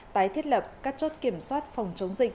tái thiết lập các chốt kiểm soát phòng chống dịch